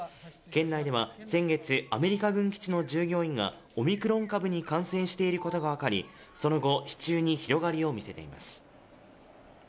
県内では先月、アメリカ軍基地の従業員がオミクロン株に感染していることが分かり、その後、市中に広がりを見せています。